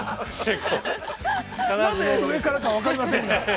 ◆何で上からか、分かりませんが。